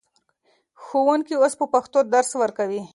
ښوونکي اوس په پښتو درس ورکوي.